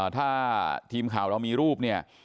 ถ้าทีมข่าวเรามีรูปเนี่ย